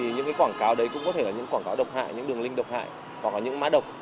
những quảng cáo đấy cũng có thể là những quảng cáo độc hại những đường link độc hại hoặc là những mã độc